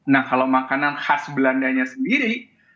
nah kalau makanan khas belandanya sendiri